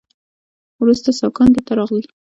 وروسته ساکان دلته راغلل